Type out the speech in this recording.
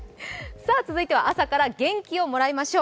続いては、朝から元気をもらいましょう。